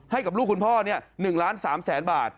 ให้กับลูกคุณพ่อ๑ล้าน๓แสนบาท